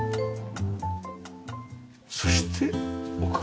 そして奥。